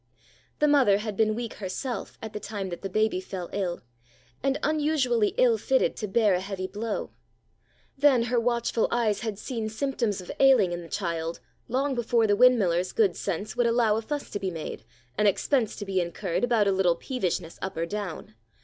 The mother had been weak herself at the time that the baby fell ill, and unusually ill fitted to bear a heavy blow. Then her watchful eyes had seen symptoms of ailing in the child long before the windmiller's good sense would allow a fuss to be made, and expense to be incurred about a little peevishness up or down.